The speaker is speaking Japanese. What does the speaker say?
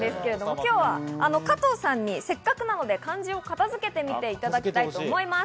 今日は加藤さんにせっかくなので漢字を片付けて見ていただきます。